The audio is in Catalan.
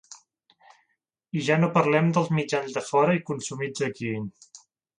I ja no parlem dels mitjans de fora i consumits aquí.